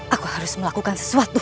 aku harus melakukan sesuatu